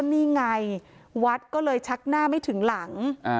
นี่ไงวัดก็เลยชักหน้าไม่ถึงหลัง